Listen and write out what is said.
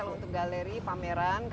dan kalau untuk galeri pameran